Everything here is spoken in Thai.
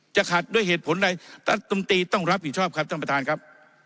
จะขัดด้วยเหตุผลใดรัฐมนตรีต้องรับผิดชอบครับท่านประธานครับ